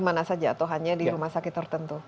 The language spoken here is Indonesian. di mana saja atau hanya di rumah sakit tertentu